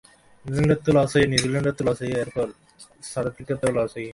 এইজন্যেই বলেছিলেম আজ রাত্রে ডেকো না।